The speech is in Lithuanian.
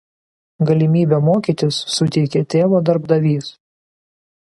Galimybę mokytis suteikė tėvo darbdavys.